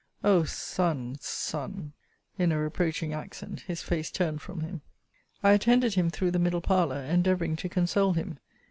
O Son! Son! in a reproaching accent, his face turned from him. I attended him through the middle parlour, endeavouring to console him.